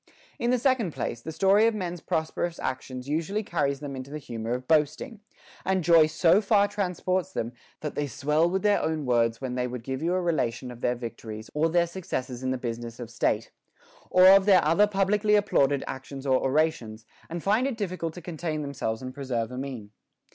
19. In the second place, the story of men's prosperous actions naturally carries them into the humor of boasting; and joy so far transports them, that they swell with their own words when they would give you a relation of their victories or their success in the business of the state, or of their other publicly applauded actions or orations, and find it difficult to contain themselves and preserve a mean.